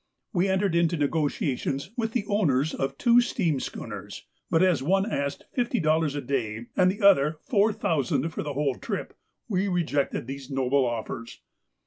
We entered into negotiations with the owners of two steam schooners, but as one asked fifty dollars a day and the other four thousand for the whole trip, we rejected these noble offers.